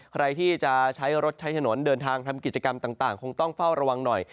ใครที่จะใช้รถใช้ถนนเดินทางทำกิจกรรมต่างคงต้องเฝ้าระวังหน่อย